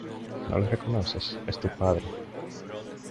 ¿ no le reconoces? es tu padre.